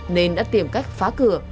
nên đã tìm cách phá cửa